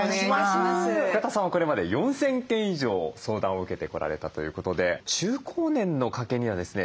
深田さんはこれまで４，０００件以上相談を受けてこられたということで中高年の家計にはですね